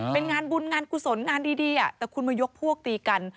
เป็นงานบุญงานกุศลงานดีแต่คุณมายกพวกตีกัน